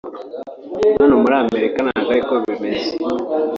hano muri Amerika ntabwo ari ko bimeze